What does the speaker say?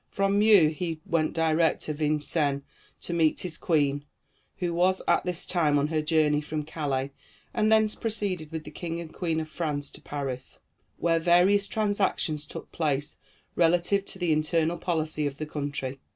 From Meaux he went direct to Vincennes to meet his queen, who was at this time on her journey from Calais, and thence proceeded with the King and Queen of France to Paris, where various transactions took place relative to the internal policy of the country.